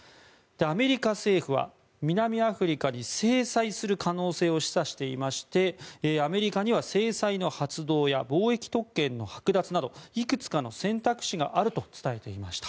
アメリカ政府は、南アフリカに制裁する可能性を示唆していましてアメリカには制裁の発動や貿易特権のはく奪などいくつかの選択肢があると伝えていました。